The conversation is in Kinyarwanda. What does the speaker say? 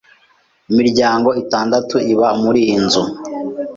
Imiryango itandatu iba muriyi nzu.